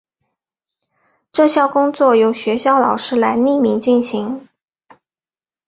这项工作由学校老师来匿名进行。